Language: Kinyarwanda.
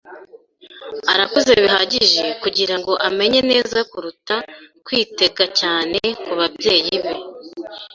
Arakuze bihagije kugirango amenye neza kuruta kwitega cyane kubabyeyi be.